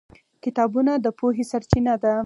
کتابونه د پوهې سرچینه ده.